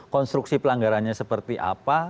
konstruksi pelanggarannya seperti apa